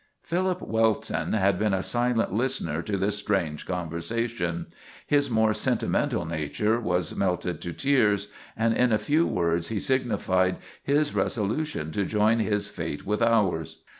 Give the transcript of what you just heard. "Philip Welton had been a silent listener to this strange conversation. His more sentimental nature was melted to tears, and in a few words he signified his resolution to join his fate with ours.